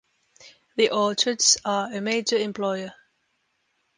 The orchards are a major employer.